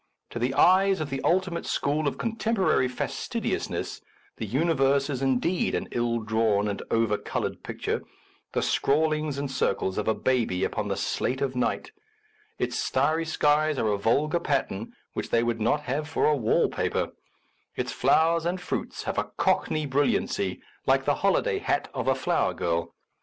To the eyes of the ultimate school of contemporary fastidiousness, the universe is indeed an ill drawn and over coloured picture, the scrawlings in circles of a baby upon the slate of night ; its starry skies are a vulgar pattern which they would not have for a wallpaper, its flowers and fruits have a cockney brilliancy, like the holiday hat of a flower girl.